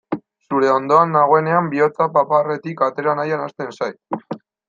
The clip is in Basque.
Zure ondoan nagoenean bihotza paparretik atera nahian hasten zait.